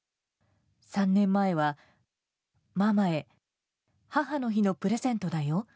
３年前は、ママへ母の日のプレゼントだよ。